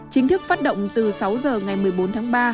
chính thức phát động từ sáu h ngày một mươi bốn tháng ba